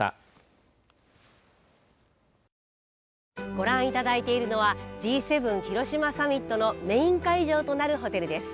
ご覧いただいているのはＧ７広島サミットのメイン会場となるホテルです。